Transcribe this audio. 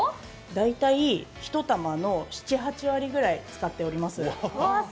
大体１玉の７８割くらい使っております。